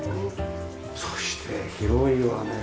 そして広いわね。